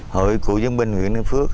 hội kiệu chiến binh huyện ninh phước